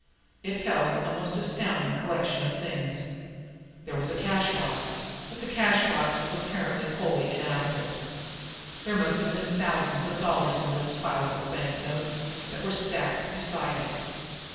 It held a most astounding collection of things. There was a cashbox, but the cashbox was apparently wholly inadequate there must have been thousands of dollars in those piles of banknotes that were stacked beside it!